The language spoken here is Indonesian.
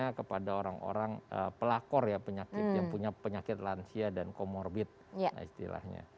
jadi mereka orang orang pelakor ya penyakit yang punya penyakit lansia dan komorbit istilahnya